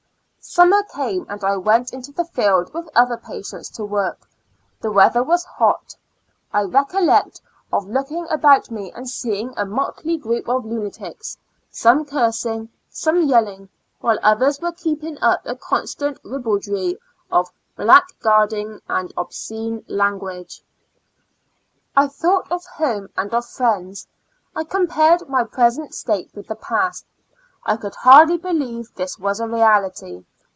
Summer came, and I went into the field with other patients to work; the weather was hot. I recollect of looking about me and seeing a motley group of lunatics, some cursing, some yelling, while others were keeping up a constant ribaldry of black guarding and obscene language. I though of home and of friends; I com pared my present state with the past; I could hardly believe this was a reality.